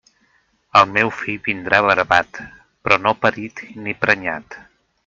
El meu fill vindrà barbat, però no parit ni prenyat.